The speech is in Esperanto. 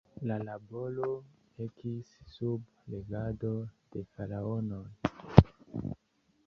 La laboro ekis sub regado de Faraonoj.